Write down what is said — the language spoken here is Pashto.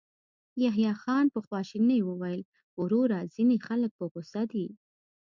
يحيی خان په خواشينۍ وويل: وروره، ځينې خلک په غوسه دي.